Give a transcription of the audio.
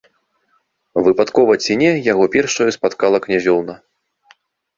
Выпадкова ці не, яго першаю спаткала князёўна.